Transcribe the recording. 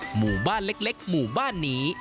หมู่บ้านเล็กหมู่บ้านนี้